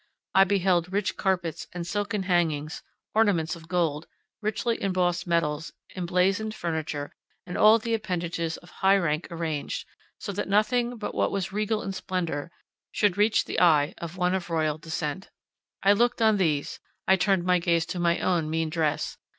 I beheld rich carpets and silken hangings, ornaments of gold, richly embossed metals, emblazoned furniture, and all the appendages of high rank arranged, so that nothing but what was regal in splendour should reach the eye of one of royal descent. I looked on these; I turned my gaze to my own mean dress.